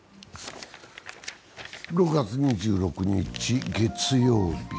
６月２６日、月曜日。